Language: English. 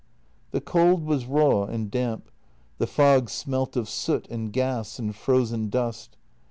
The cold was raw and damp; the fog smelt of soot and gas and frozen dust.